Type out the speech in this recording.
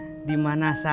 kapan saja dimana saja